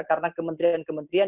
karena kementerian kementerian